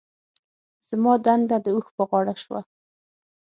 زما دنده د اوښ په غاړه شوه.